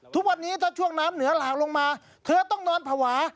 ทุกวันนี้ถ้าช่วงน้ำเหนือหลากลงมาเธอต้องนอนภาวะ